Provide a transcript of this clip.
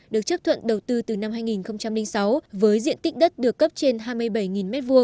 được chấp thuận đầu tư từ năm hai nghìn sáu với diện tích đất được cấp trên hai mươi bảy m hai